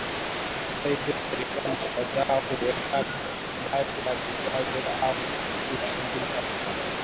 Hata hivyo serikali kadhaa huweka baadhi ya vikwazo au huchunguza